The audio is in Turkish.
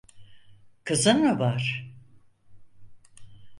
Kızın mı var?